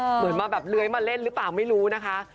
เหมือนมาแบบเลื้อยมาเล่นหรือเปล่าไม่รู้นะคะ